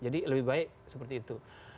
jadi lebih baik seperti itu